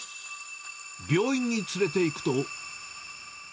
病院に連れていくと。